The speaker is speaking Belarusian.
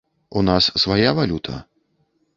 У нас свая валюта.